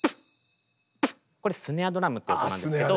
これスネアドラムという音なんですけど。